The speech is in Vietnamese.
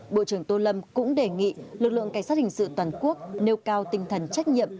bộ trưởng tô lâm cũng đề nghị lực lượng cảnh sát hình sự toàn quốc nêu cao tinh thần trách nhiệm